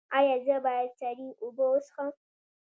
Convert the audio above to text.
ایا زه باید سړې اوبه وڅښم؟